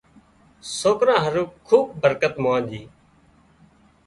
سوڪران هارو کوبٻ برڪت مانڄي